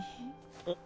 あっ。